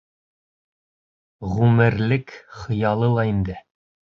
Ғүмерлек хыялы ла инде.